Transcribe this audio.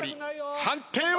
判定は？